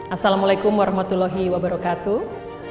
assalamualaikum warahmatullahi wabarakatuh